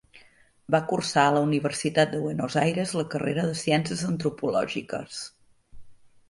Va cursar a la Universitat de Buenos Aires la carrera de Ciències Antropològiques.